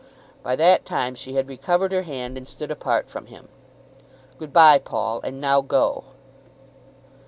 By that time she had recovered her hand and stood apart from him. "Good bye, Paul; and now go."